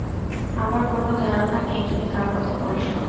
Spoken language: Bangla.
আমার কোন ধারণা নেই তুমি কার কথা বলছ।